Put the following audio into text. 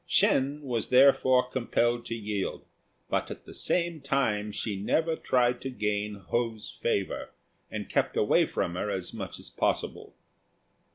Shên was therefore compelled to yield, but at the same time she never tried to gain Ho's favour, and kept away from her as much as possible.